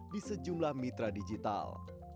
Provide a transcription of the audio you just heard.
di sejumlah mitra digital